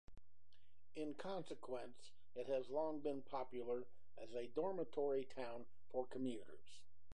In consequence it has long been popular as a dormitory town for commuters.